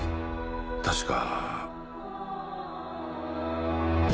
確か。